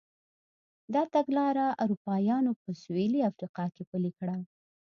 دا تګلاره اروپایانو په سوېلي افریقا کې پلې کړه.